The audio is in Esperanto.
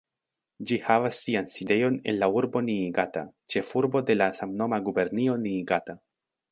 Ĝi havas sian sidejon en la urbo Niigata, ĉefurbo de la samnoma gubernio Niigata.